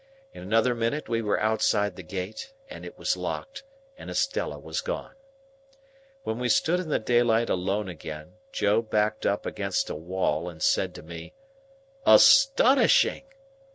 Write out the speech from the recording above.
In another minute we were outside the gate, and it was locked, and Estella was gone. When we stood in the daylight alone again, Joe backed up against a wall, and said to me, "Astonishing!"